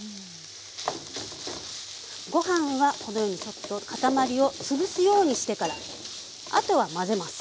ご飯はこのようにちょっと塊を潰すようにしてからあとは混ぜます。